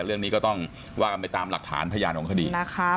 เรื่องนี้ก็ต้องว่ากันไปตามหลักฐานพยานของคดีนะครับ